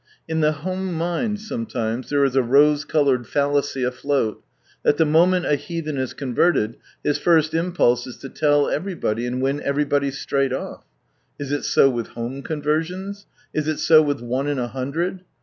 In the home mind sometimes, there is a rose coloured fallacy afloat, that the moment a heathen is converted his first impulse is to tell everybody, and win every body straight off. Is it so with home convetsions ? Is it so with one in a hundred